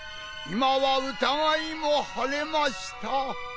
今は疑いも晴れました。